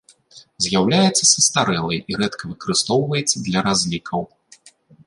З'яўляецца састарэлай і рэдка выкарыстоўваецца для разлікаў.